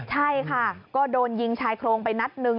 ใช่ค่ะก็โดนยิงชายโครงไปนัดหนึ่ง